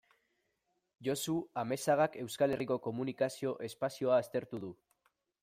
Josu Amezagak Euskal Herriko komunikazio espazioa aztertu du.